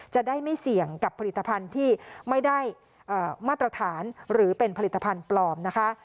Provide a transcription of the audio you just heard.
จะได้ไม่เสี่ยงกับผลิตภัณฑ์ที่ไม่ได้มาตรฐานหรือเป็นผลิตภัณฑ์ปลอมนะคะ